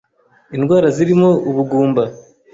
indwara zirimo ubugumba